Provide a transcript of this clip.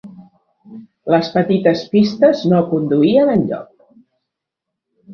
Les petites pistes no conduïen enlloc.